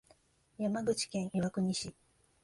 山口県岩国市